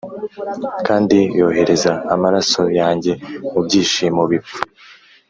kandi yohereza amaraso yanjye mubyishimo bipfa